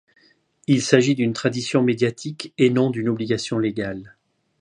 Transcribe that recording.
Il s’agit d’une tradition médiatique et non d’une obligation légale.